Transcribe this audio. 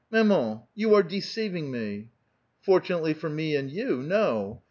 " Maman^ you are deceiving me !" "Fortunately for me and you, no